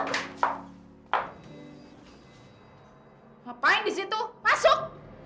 ngapain di situ masuk